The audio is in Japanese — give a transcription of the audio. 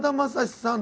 さん